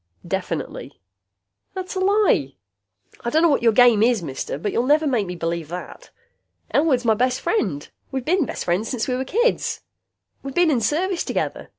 "Definitely." "That's a lie! I don't know what your game is, mister, but you'll never make me believe that. Elwood's my best friend. We been best friends since we was kids. We been in service together.